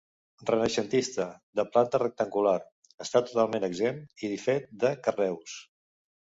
Renaixentista, de planta rectangular, està totalment exempt i fet de carreus.